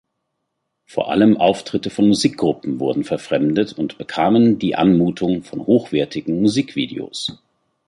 Vor allem Auftritte von Musikgruppen wurden verfremdet und bekamen die Anmutung von hochwertigen Musikvideos.